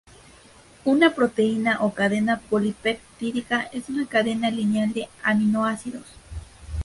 Una proteína o cadena polipeptídica es una cadena lineal de aminoácidos.